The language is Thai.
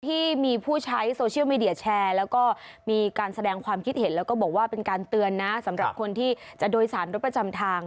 ที่มีผู้ใช้โซเชียลมีเดียแชร์แล้วก็มีการแสดงความคิดเห็นแล้วก็บอกว่าเป็นการเตือนนะสำหรับคนที่จะโดยสารรถประจำทาง